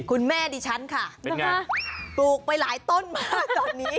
คุณแม่ดิฉันค่ะปลูกไปหลายต้นมา